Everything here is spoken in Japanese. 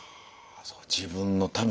自分のために。